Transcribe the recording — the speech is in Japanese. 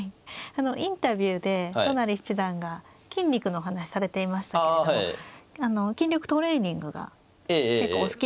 あのインタビューで都成七段が筋肉の話されていましたけれども筋力トレーニングが結構お好きなんですよね。